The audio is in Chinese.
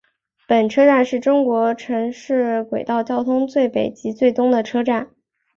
本车站是中国城市轨道交通最北及最东的车站。